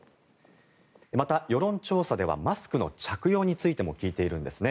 また、世論調査ではマスクの着用についても聞いているんですね。